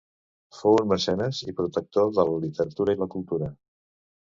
Fou un mecenes i protector de la literatura i la cultura.